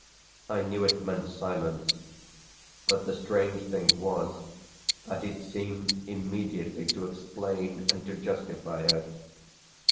I knew it meant silence, but the strange thing was that it seemed immediately to explain and to justify her.